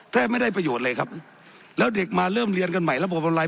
แทบไม่ได้ประโยชน์เลยครับแล้วเด็กมาเริ่มเรียนกันใหม่ระบบอำไร